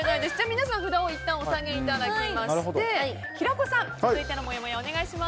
皆さん、札をいったんお下げいただきまして平子さん、続いてのもやもやお願いします。